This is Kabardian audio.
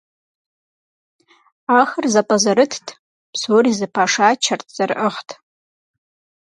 Ахэр зэпӏэзэрытт, псори зэпашачэрт, зэрыӏыгът.